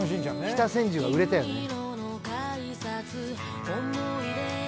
北千住が売れたよね。